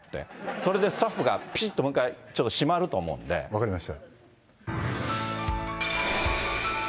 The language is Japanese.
それでスタッフが、ぴしっともう一回、分かりました。